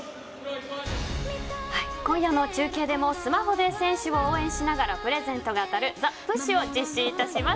今夜の中継でもスマホで選手を応援しながらプレゼントが当たるＴｈｅＰｕｓｈを実施いたします。